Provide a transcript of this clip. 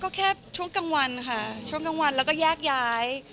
ก็แค่ช่วงกลางวันค่ะช่วงกลางวันแล้วก็แยกย้าย